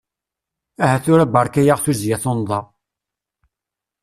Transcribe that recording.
Aha tura berka-aɣ tuzya tunḍa!